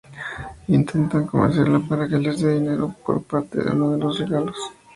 Intentan convencerla para que les de dinero por parte de uno de los "regalos".